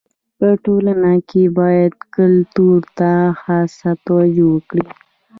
په ټولنه کي باید کلتور ته خاصه توجو وکړي.